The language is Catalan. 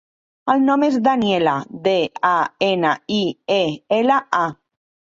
El nom és Daniela: de, a, ena, i, e, ela, a.